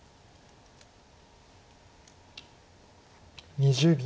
２０秒。